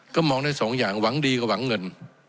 ก็มองได้สองอย่างหวังดีก็หวังเงิน